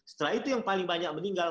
setelah itu yang paling banyak meninggal